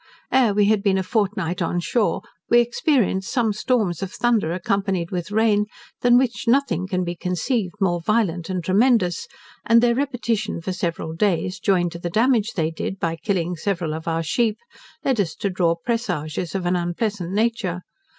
Ere we had been a fortnight on shore we experienced some storms of thunder accompanied with rain, than which nothing can be conceived more violent and tremendous, and their repetition for several days, joined to the damage they did, by killing several of our sheep, led us to draw presages of an unpleasant nature.